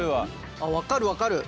あっ分かる分かる！